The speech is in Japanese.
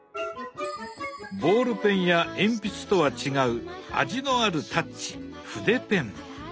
ボールペンや鉛筆とは違う味のあるタッチ筆ペン。